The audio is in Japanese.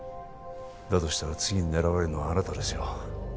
だとしたら次に狙われるのはあなたですよ